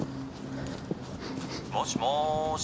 「もしもーし？」